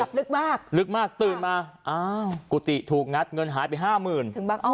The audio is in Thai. ลึกมากลึกมากตื่นมาอ้าวกุฏิถูกงัดเงินหายไปห้าหมื่นถึงบางอ้อ